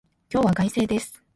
今日は快晴です。